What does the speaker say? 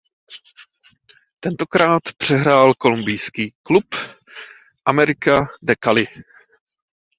Tentokrát přehrál kolumbijský klub América de Cali.